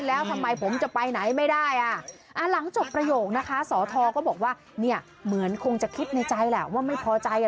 แล้วทำไมผมจะไปไหนไม่ได้อ่ะอ่าหลังจบประโยคนะคะสอทอก็บอกว่าเนี่ยเหมือนคงจะคิดในใจแหละว่าไม่พอใจอ่ะ